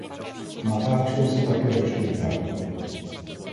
Natáčelo se také ve Stuttgartu.